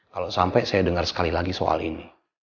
kalau sampai saya dengar sekali lagi soal ini